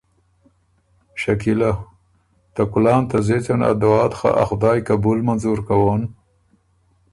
شکیلۀ: ته کلان ته زېڅن ا دُعات خه ا خدای قبول منظور کوون